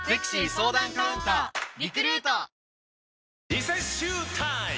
リセッシュータイム！